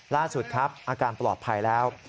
ล่าสุดครับอาการปลอดภัยแล้ว